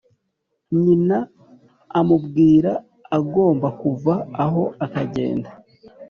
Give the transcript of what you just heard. Nyina amubwira agomba kuva aho akagenda